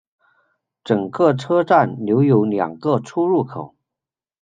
整个车站留有两个出入口。